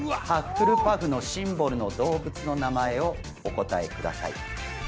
ハッフルパフのシンボルの動物の名前をお答えください